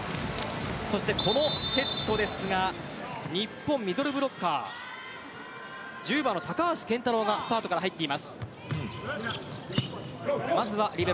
そして、このセットですが日本、ミドルブロッカー１０番の高橋健太郎がスタートから入っています。